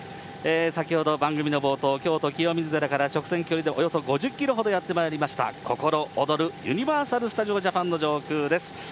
先ほど番組の冒頭、京都・清水寺から直線距離でおよそ５０キロほどやって来ました、心躍るユニバーサル・スタジオ・ジャパンの上空です。